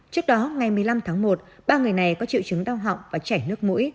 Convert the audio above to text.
trước đó ngày một mươi năm tháng một ba người này có triệu chứng đau họng và chảy nước mũi